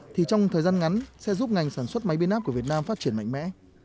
thì trong thời gian ngắn sẽ giúp ngành sản xuất máy biến áp của việt nam phát triển mạnh mẽ